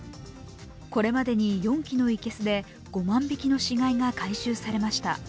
これまでに４基の生けすで５万匹の死骸が回収されました。